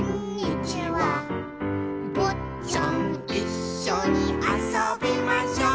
「ぼっちゃんいっしょにあそびましょう」